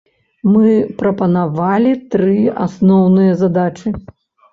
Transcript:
Мы прапанавалі тры асноўныя задачы.